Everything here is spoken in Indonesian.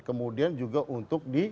kemudian juga untuk di